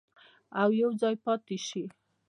او یوځای پاتې شي.